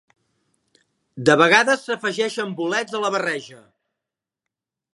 De vegades s'afegeixen bolets a la barreja.